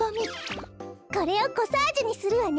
これをコサージュにするわね。